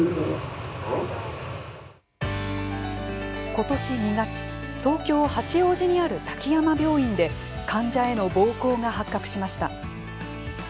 今年２月東京・八王子にある滝山病院で患者への暴行が発覚しました。